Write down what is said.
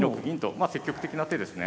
まあ積極的な手ですね。